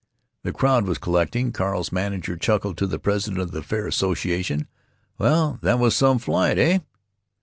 The crowd was collecting. Carl's manager chuckled to the president of the fair association, "Well, that was some flight, eh?"